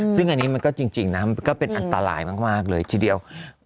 ซึ่งอันนี้มันก็จริงนะมันก็เป็นอันตรายมากเลยทีเดียว